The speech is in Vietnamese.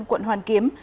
quận hoàn kiếm